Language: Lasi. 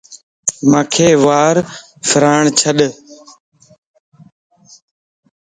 مانک وار ڦراڻ ڇڏ